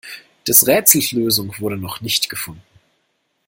Des Rätsels Lösung wurde noch nicht gefunden.